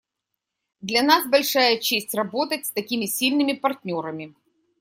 Для нас большая честь работать с такими сильными партнерами.